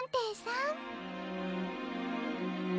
ん？